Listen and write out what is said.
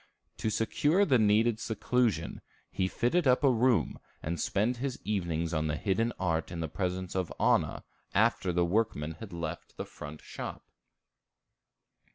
To secure the needed seclusion, he fitted up a room, and spent his evenings on the hidden art in the presence of Anna, after the workmen had left the front shop.